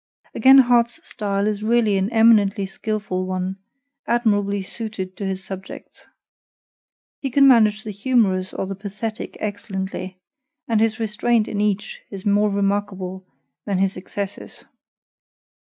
Again Harte's style is really an eminently skilful one, admirably suited to his subjects. He can manage the humorous or the pathetic excellently, and his restraint in each is more remarkable than his excesses.